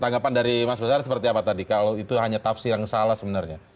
tanggapan dari mas besar seperti apa tadi kalau itu hanya tafsir yang salah sebenarnya